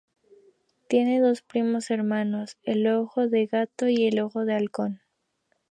Tiene dos "primos hermanos": el "ojo de gato" y el "ojo de halcón".